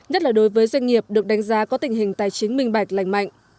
nhất là đối với doanh nghiệp được đánh giá có tình hình tài chính minh bạch lành mạnh